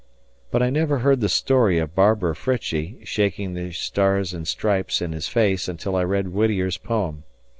But I never heard the story of Barbara Frietchie shaking the Stars and Stripes in his face until I read Whittier's poem.